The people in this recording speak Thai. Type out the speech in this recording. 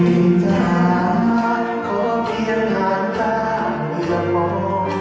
ใครจะหาขอเพียงห่างตาไม่ละมอง